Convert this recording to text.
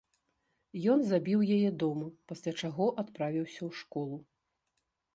Ён забіў яе дома, пасля чаго адправіўся ў школу.